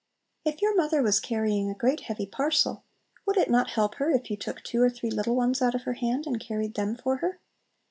If your mother was carrying a great heavy parcel, would it not help her if you took two or three little ones out of her hand and carried them for her?